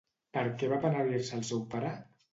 Per què va penedir-se el seu pare?